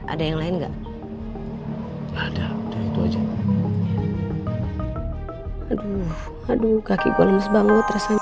ada yang lain enggak ada itu aja aduh aduh kaki gue lemes banget rasanya